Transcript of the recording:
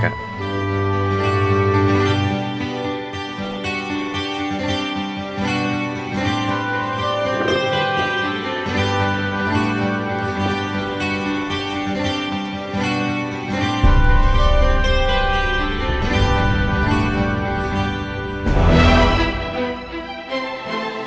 sampai jumpa lagi